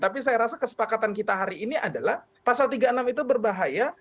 tapi saya rasa kesepakatan kita hari ini adalah pasal tiga puluh enam itu berbahaya